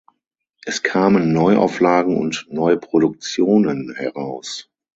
Es kamen Neuauflagen und Neuproduktionen heraus.